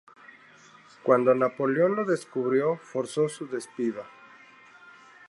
Cuando Napoleón lo descubrió, forzó su despido.